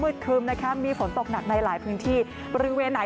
ครึ้มนะคะมีฝนตกหนักในหลายพื้นที่บริเวณไหน